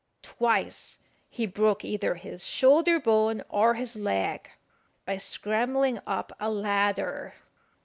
Twice he broke either his shoulder bone or his leg by scrambling up a ladder.